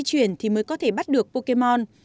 đi chuyển thì mới có thể bắt được pokemon